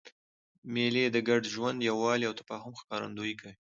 مېلې د ګډ ژوند، یووالي او تفاهم ښکارندویي کوي.